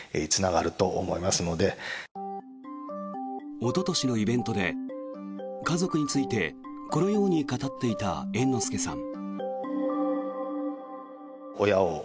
おととしのイベントで家族についてこのように語っていた猿之助さん。